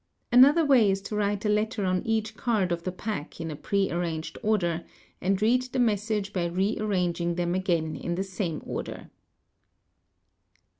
Another way is to write a letter on each card of the pack in a _ pre arranged order, and read the message by re arranging them again in ~~ the same order.